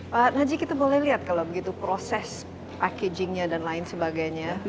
pak najik kita boleh lihat kalau begitu proses packaging nya dan lain sebagainya